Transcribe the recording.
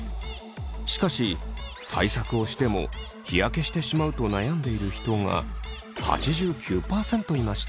しかし対策をしても日焼けしてしまうと悩んでいる人が８９％いました。